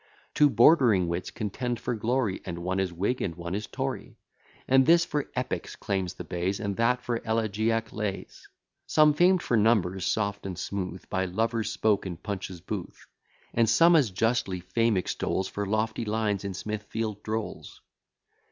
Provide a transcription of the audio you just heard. Two bordering wits contend for glory; And one is Whig, and one is Tory: And this, for epics claims the bays, And that, for elegiac lays: Some famed for numbers soft and smooth, By lovers spoke in Punch's booth; And some as justly fame extols For lofty lines in Smithfield drolls.